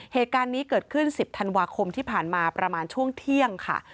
เหตุการณ์นี้เกิดขึ้น๑๐ธันวาคมที่ผ่านมาประมาณช่วงเที่ยงค่ะ